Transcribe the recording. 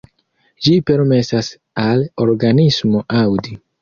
Ĝi permesas al organismo aŭdi.